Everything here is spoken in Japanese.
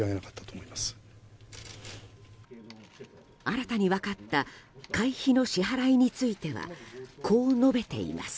新たに分かった会費の支払いについてはこう述べています。